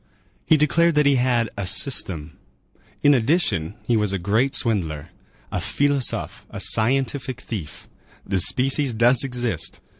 He declared that he had "a system." In addition, he was a great swindler. A filousophe [philosophe], a scientific thief. The species does exist.